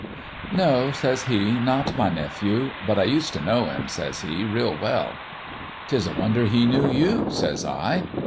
"' No,' says he ;' not my nephew. But I used t' know him,' says he, ' real well.' "' 'Tis a wonder he knew you,' says I.